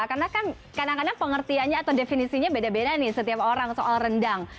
karena kan kadang kadang pengertiannya atau definisinya beda beda nih setiap orang soal rendang